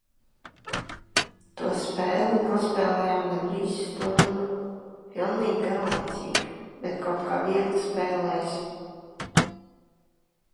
To spēli nospēlējam gandrīz stundu. Pilnīgi garlaicīga, bet kaut kā viegli spēlējas.